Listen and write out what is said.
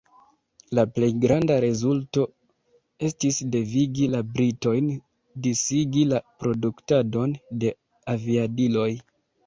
La plej granda rezulto estis devigi la britojn disigi la produktadon de aviadiloj.